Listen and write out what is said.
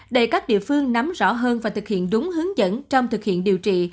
để các địa phương nắm rõ hơn và thực hiện đúng hướng dẫn trong thực hiện điều trị